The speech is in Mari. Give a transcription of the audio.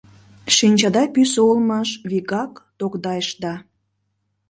Шинчада пӱсӧ улмаш, вигак тогдайышда.